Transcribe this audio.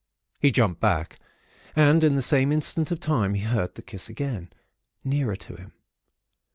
He jumped back, and in the same instant of time, he heard the kiss again, nearer to him.